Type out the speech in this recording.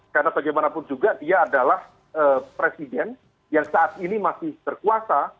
karena bagaimanapun juga dia adalah presiden yang saat ini masih berkeluarga